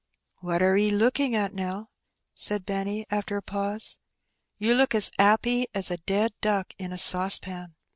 "What are 'e looking at, Nell?" said Benny, after a pause. "You look as 'appy as a dead duck in a saucepan."